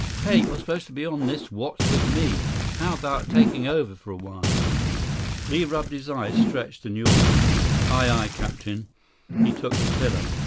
"Hey, you're supposed to be on this watch with me. How 'bout taking over for a while?" Li rubbed his eyes, stretched, and yawned. 100 "Aye, aye, Captain." He took the tiller.